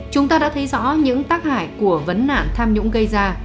chúng ta đã thấy rõ những tác hại của vấn nạn tham nhũng gây ra